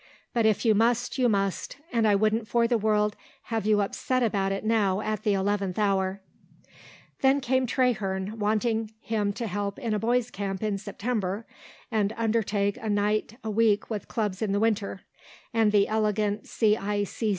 But if you must you must, and I wouldn't for the world have you upset about it now at the eleventh hour." Then came Traherne, wanting him to help in a boys' camp in September and undertake a night a week with clubs in the winter; and the elegant C.I.